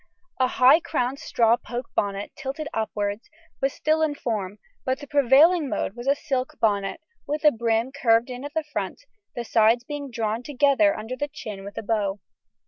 A high crowned straw poke bonnet, tilted upwards, was still in form; but the prevailing mode was a silk bonnet, with the brim curved in at the front, the sides being drawn together under the chin with a bow.